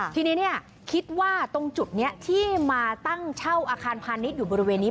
ทีนี้คิดว่าตรงจุดนี้ที่มาตั้งเช่าอาคารพาณิชย์อยู่บริเวณนี้